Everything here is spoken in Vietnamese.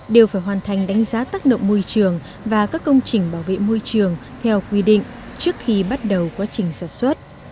đánh giá tác động môi trường và các công trình bảo vệ môi trường theo quy định trước khi bắt đầu quá trình sản xuất